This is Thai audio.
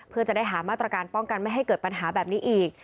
เพื่อจะได้หามาตรการป้องกันไม่ให้เกิดปัญหาแบบนี้อีก